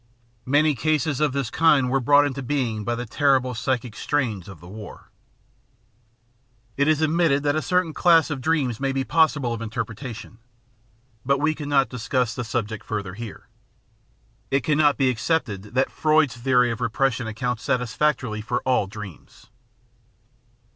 Many cases of this kind were brought into being by the terrible psychic strains of the war. It is admitted that a certain class of dreams may be possible of interpretation, but we cannot discuss the subject further here; it cannot be accepted that Freud's theory of repression accounts satisfactorily for all dreams.